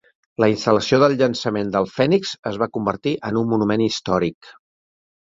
La instal·lació del llançament del "Fènix" es va convertir en un monument històric.